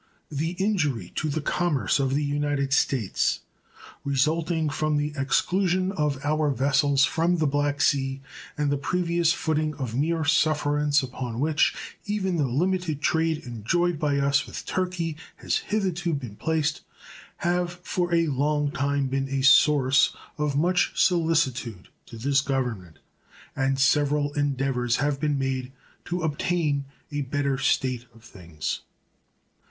The injury to the commerce of the United States resulting from the exclusion of our vessels from the Black Sea and the previous footing of mere sufferance upon which even the limited trade enjoyed by us with Turkey has hitherto been placed have for a long time been a source of much solicitude to this Government, and several endeavors have been made to obtain a better state of things.